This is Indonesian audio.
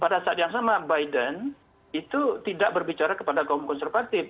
pada saat yang sama biden itu tidak berbicara kepada kaum konservatif